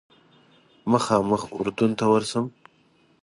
مخامخ اردن ته ورشم.